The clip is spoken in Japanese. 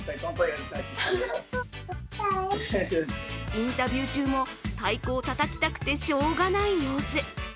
インタビュー中も太鼓をたたきたくてしょうがない様子。